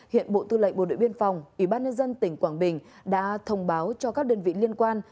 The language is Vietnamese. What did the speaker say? hiện bộ tư lệnh bộ đội biên phòng ủy ban nhân dân tỉnh quảng bình đã thông báo cho các đơn vị liên quan